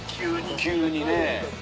急にね。